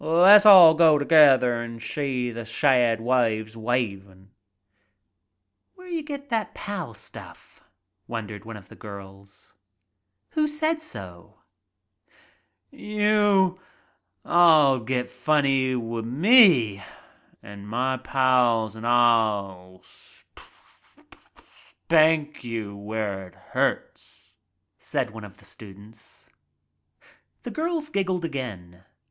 "Le's all go together an' shee th' shad waves wavin\" "Where d'ya get that pal stuff ?" wondered one of girls. "Who said so?" "You — all get funny wi* me an' my pals an* I'll sp sp spank you where it hurts," said one of the students. The girls giggled again.